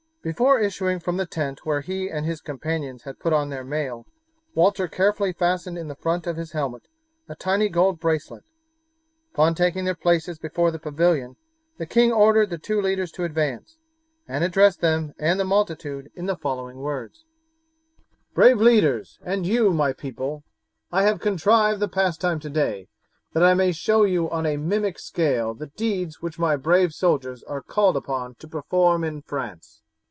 Before issuing from the tent where he and his companions had put on their mail Walter carefully fastened in the front of his helmet a tiny gold bracelet. Upon taking their places before the pavilion the king ordered the two leaders to advance, and addressed them and the multitude in the following words: "Brave leaders, and you, my people, I have contrived the pastime today that I may show you on a mimic scale the deeds which my brave soldiers are called upon to perform in France.